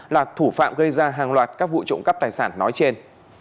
là thủ phạm gây ra hàng loạt các vụ trộm cắp tài sản nói trên